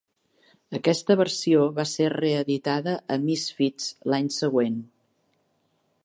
Aquesta versió va ser reeditada a 'Misfits' l'any següent.